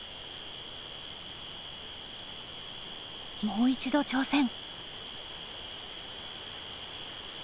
もう一度挑戦。